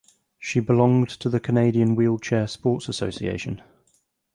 She belonged to the Canadian Wheelchair Sports Association.